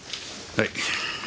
はい。